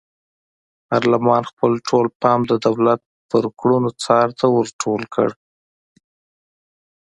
پارلمان خپل ټول پام د دولت پر کړنو څار ته ور ټول کړ.